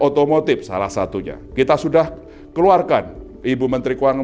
otomotif salah satunya kita sudah keluarkan ibu menteri kewangan kualifikasi dengan sektor